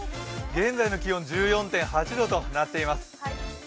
現在の気温１４．８度となっています。